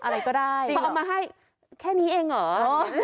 มยังมาให้แค่นี้เองหรอ